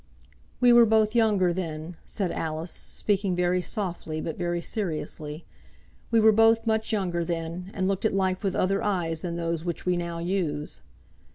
"We were both younger, then," said Alice, speaking very softly, but very seriously. "We were both much younger then, and looked at life with other eyes than those which we now use.